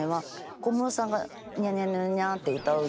小室さんが「ニャニャニャニャニャ」って歌う感じなんです。